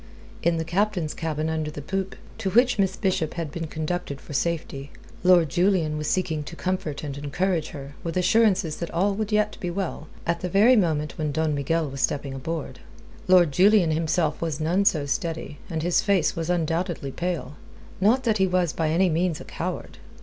In the Captain's cabin under the poop, to which Miss Bishop had been conducted for safety, Lord Julian was seeking to comfort and encourage her, with assurances that all would yet be well, at the very moment when Don Miguel was stepping aboard. Lord Julian himself was none so steady, and his face was undoubtedly pale. Not that he was by any means a coward.